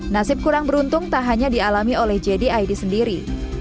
nasib kurang beruntung tak hanya dialami oleh jdid sendiri